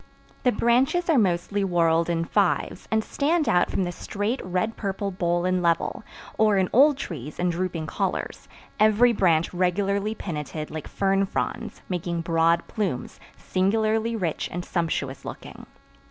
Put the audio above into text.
The branches are mostly whorled in fives, and stand out from the straight, red purple bole in level, or in old trees in drooping collars, every branch regularly pinnated like fern fronds, making broad plumes, singularly rich and sumptuous looking.